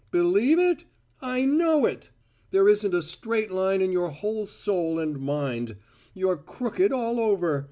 "Believe it? I know it! There isn't a straight line in your whole soul and mind: you're crooked all over.